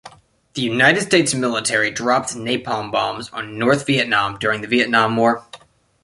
The United States military dropped napalm bombs on North Vietnam during the Vietnam War.